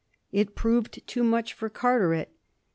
It proved too much for Carteret.